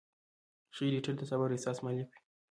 ښه ایډیټر د صبر او احساس مالک وي.